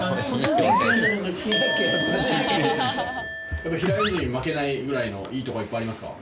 やっぱ平泉に負けないぐらいのいいとこはいっぱいありますか？